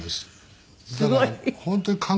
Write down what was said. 本当に？